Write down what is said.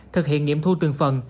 thực hiện nghiệm thu từng phần